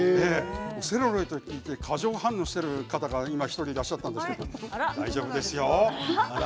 セロリと聞いて過剰反応している方が今１人いらっしゃったんですが大丈夫ですよ。